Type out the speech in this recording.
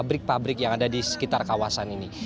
pabrik pabrik yang ada di sekitar kawasan ini